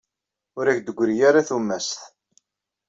Ur ak-d-teggri ara tumast.